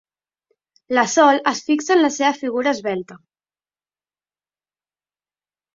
La Sol es fixa en la seva figura esvelta.